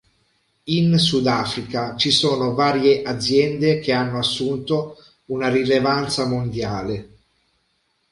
In Sud Africa ci sono varie aziende che hanno assunto una rilevanza mondiale.